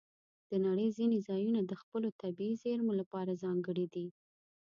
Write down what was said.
د نړۍ ځینې ځایونه د خپلو طبیعي زیرمو لپاره ځانګړي دي.